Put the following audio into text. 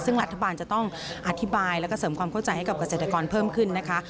ซึ่งรัฐบาลจะต้องอธิบายแล้วก็เสริมความเข้าใจให้กับเกษตรกรเพิ่มขึ้นนะคะ